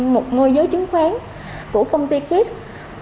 một ngôi giới chứng khoán của công ty kiss